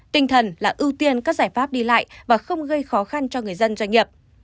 tinh thần là ưu tiên các giải pháp đi lại và không gây khó khăn cho người dân doanh nghiệp